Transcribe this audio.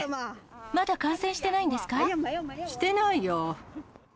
まだ感染してないんですか？